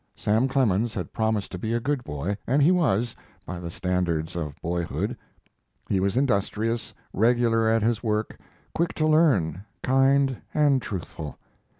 Sam Clemens had promised to be a good boy, and he was, by the standards of boyhood. He was industrious, regular at his work, quick to learn, kind, and truthful.